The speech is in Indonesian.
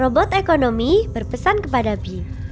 robot ekonomi berpesan kepada bi